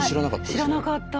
知らなかった！